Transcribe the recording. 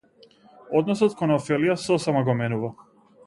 Односот кон Офелија сосема го менува.